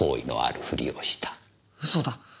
嘘だ！